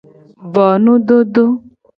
Bo nudodo.